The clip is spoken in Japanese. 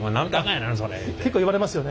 結構言われますよね。